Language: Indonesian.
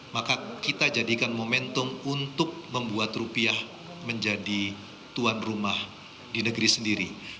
maka kita jadikan momentum untuk membuat rupiah menjadi tuan rumah di negeri sendiri